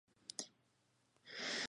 Paudel, Latin.